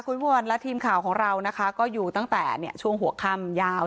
คุณวันและทีมข่าวของเรานะคะก็อยู่ตั้งแต่ช่วงหัวค่ำยาว